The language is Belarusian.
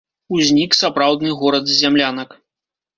Узнік сапраўдны горад з зямлянак.